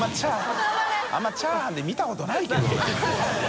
△鵑泙チャーハンで見たことないけどね。